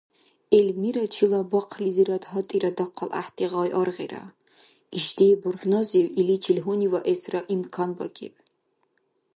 Эльмирачила бахълизирад гьатӏира дахъал гӏяхӏти гъай аргъира. Ишди бурхӏназив иличил гьуниваэсра имканбакӏиб.